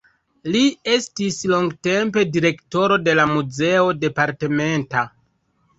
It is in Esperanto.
Li estis longtempe direktoro de la muzeo departementa.